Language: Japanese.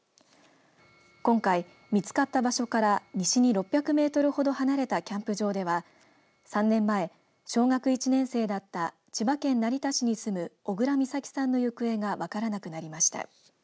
今回、見つかった場所から西に６００メートルほど離れたキャンプ場では３年前、小学１年生だった千葉県成田市に住む小倉美咲さんの行方が分からなくなりました。